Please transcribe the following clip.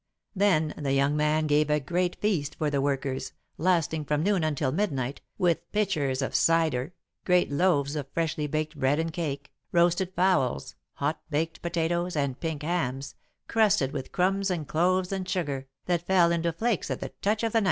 Then the young man gave a great feast for the workers, lasting from noon until midnight, with pitchers of cider, great loaves of freshly baked bread and cake, roasted fowls, hot baked potatoes, and pink hams, crusted with crumbs and cloves and sugar, that fell into flakes at the touch of the knife.